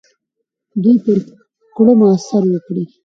دوی پر کړنو اثر وکړي.